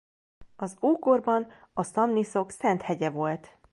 Az ókorban a szamniszok szent hegye volt.